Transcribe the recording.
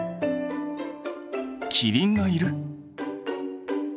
キリンがいる！？